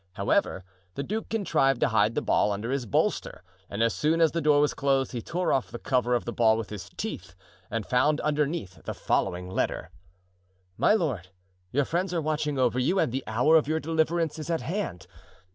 However, the duke contrived to hide the ball under his bolster and as soon as the door was closed he tore off the cover of the ball with his teeth and found underneath the following letter: My Lord,—Your friends are watching over you and the hour of your deliverance is at hand.